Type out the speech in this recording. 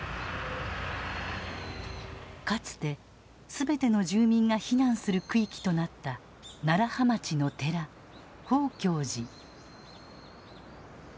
かつて全ての住民が避難する区域となった楢葉町の寺宝鏡寺。